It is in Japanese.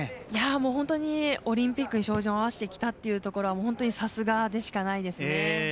本当にオリンピックに照準を合わせてきたというのは本当にさすがでしかないですね。